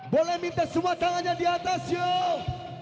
boleh minta semua tangannya diatas yoo